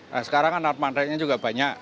nah sekarang kan north madridnya juga banyak